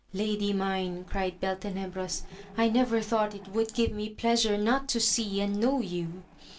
Lady mine, cried Beltenebros, I never thought it would gir6 me pleasure not to see and know you